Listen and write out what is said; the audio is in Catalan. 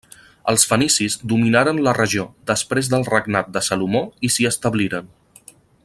Els fenicis dominaren la regió després del regnat de Salomó i s'hi establiren.